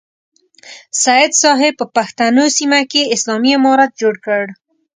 سید صاحب په پښتنو سیمه کې اسلامي امارت جوړ کړ.